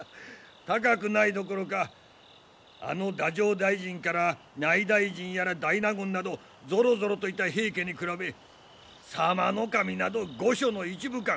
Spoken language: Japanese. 高くないどころかあの太政大臣から内大臣やら大納言などぞろぞろといた平家に比べ左馬頭など御所の一武官。